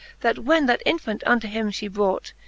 That when that infant unto him fhe brought.